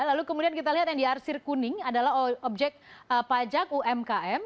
lalu kemudian kita lihat yang diarsir kuning adalah objek pajak umkm